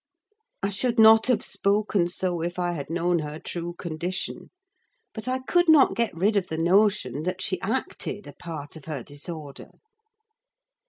I should not have spoken so if I had known her true condition, but I could not get rid of the notion that she acted a part of her disorder.